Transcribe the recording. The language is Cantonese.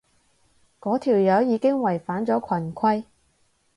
嗰條友已經違反咗群規